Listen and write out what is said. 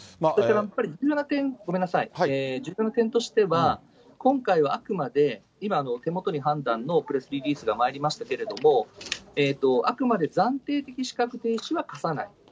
それからやっぱり、重要な点としては、今回はあくまで、今、手元に判断のプレスリリースが参りましたけれども、あくまで暫定的資格停止は科さない。